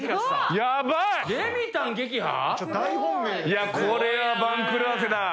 いやこれは番狂わせだ。